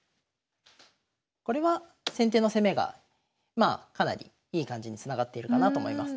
これは先手の攻めがかなりいい感じにつながっているかなと思います。